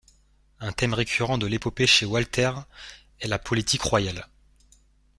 Un thème récurrent de l’épopée chez Walther est la politique royale.